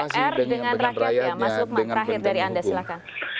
mas udman terakhir dari anda silahkan